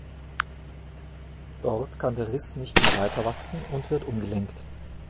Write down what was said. Dort kann der Riss nicht mehr weiter wachsen und wird umgelenkt.